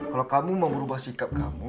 kalau kamu mau berubah sikap kamu